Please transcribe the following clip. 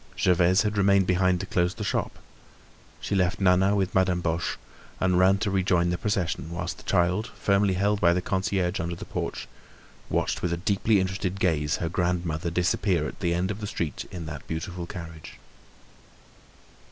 Gervaise had remained behind to close the shop. She left Nana with Madame Boche and ran to rejoin the procession, whilst the child, firmly held by the concierge under the porch, watched with a deeply interested gaze her grandmother disappear at the end of the street in that beautiful carriage.